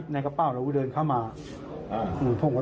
แล้วเราถือปืนหรือเปล่า